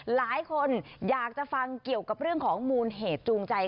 หลายคนอยากจะฟังเกี่ยวกับเรื่องของมูลเหตุจูงใจ